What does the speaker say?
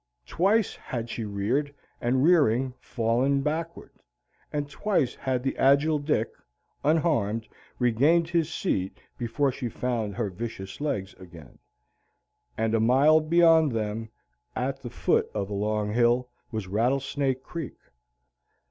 Twice had she reared, and, rearing, fallen backward; and twice had the agile Dick, unharmed, regained his seat before she found her vicious legs again. And a mile beyond them, at the foot of a long hill, was Rattlesnake Creek.